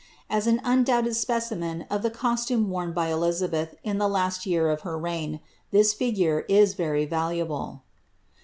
As an undoubted specimen of the costume worn by EUizabeth in the last year of her reign, this figure is very valuable.